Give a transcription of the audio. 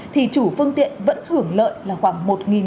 thì chủ phương tiện vẫn hưởng lợi là khoảng